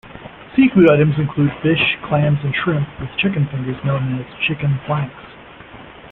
Seafood items include fish, clams, and shrimp, with chicken fingers known as "Chicken Planks".